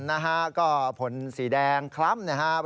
นะฮะก็ผลสีแดงคล้ำนะครับ